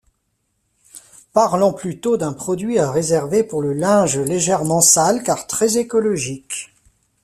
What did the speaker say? Parlant plutôt d'un produit à réserver pour le linge légèrement sale car très écologique.